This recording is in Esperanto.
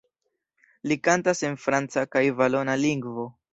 Li kantas en franca kaj valona lingvo.